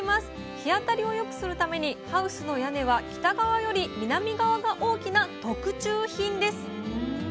日当たりを良くするためにハウスの屋根は北側より南側が大きな特注品です。